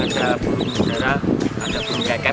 ada burung darah ada burung deket